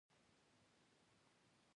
نور کورونه هم د دې کور په څیر مناسب دي